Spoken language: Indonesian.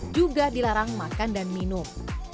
juga dilarang makan dan minum